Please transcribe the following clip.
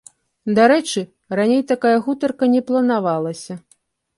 Дарэчы, раней такая гутарка не планавалася.